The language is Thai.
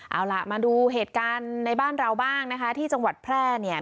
เอาล่ะมาดูเหตุการณ์ในบ้านเราบ้างนะคะที่จังหวัดแพร่เนี่ย